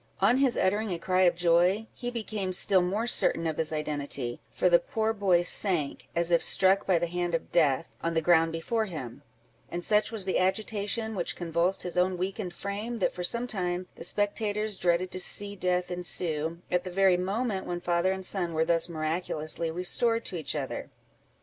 On his uttering a cry of joy, he became still more certain of his identity, for the poor boy sank, as if struck by the hand of death, on the ground before him; and such was the agitation which convulsed his own weakened frame, that, for some time, the spectators dreaded to see death ensue, at the very moment when father and son were thus miraculously restored to each other.